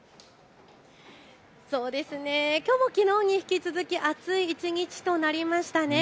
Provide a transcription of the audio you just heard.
そうですね、きょうもきのうに引き続き暑い一日となりましたね。